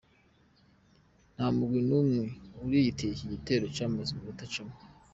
Nta mugwi n'umwe uriyitirira ico gitero camaze iminota cumi.